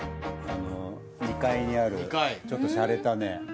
２階にあるちょっとシャレたね